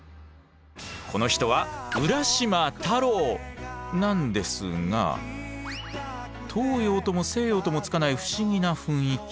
この人はなんですが東洋とも西洋ともつかない不思議な雰囲気。